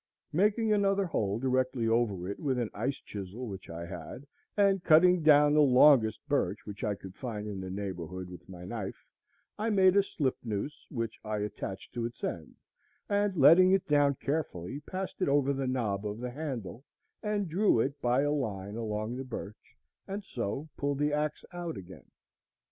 Making another hole directly over it with an ice chisel which I had, and cutting down the longest birch which I could find in the neighborhood with my knife, I made a slip noose, which I attached to its end, and, letting it down carefully, passed it over the knob of the handle, and drew it by a line along the birch, and so pulled the axe out again.